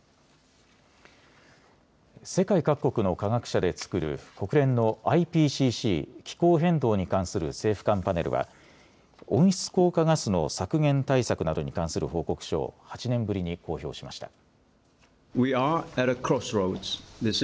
世界各国の科学者で作る国連のＩＰＣＣ・気候変動に関する政府間パネルは温室効果ガスの削減対策などに関する報告書を８年ぶりに公表しました。